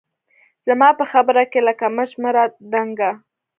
زما په خبره کښې لکه مچ مه رادانګه